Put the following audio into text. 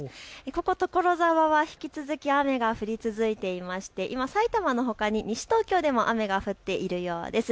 ここ所沢は引き続き雨が降り続いていまして、今埼玉のほかに西東京でも雨が降っているようです。